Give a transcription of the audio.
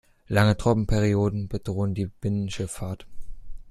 Lange Trockenperioden bedrohen die Binnenschifffahrt.